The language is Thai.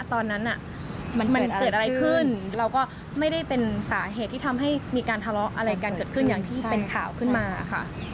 ตอนนั้นมันเกิดอะไรขึ้นเราก็ไม่ได้เป็นสาเหตุที่ทำให้มีการทะเลาะอะไรกันเกิดขึ้นอย่างที่เป็นข่าวขึ้นมาค่ะ